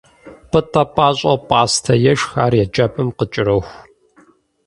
Пӏытӏэ пащӏэу пӏастэ ешх, ар еджапӏэм къыкӏэроху.